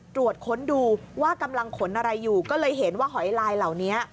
ตรวจค้นดูว่ากำลังขนอะไรอยู่ก็เลยเห็นว่าหอยลายเหล่านี้